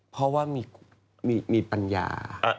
เพราะว่ามีปัญญา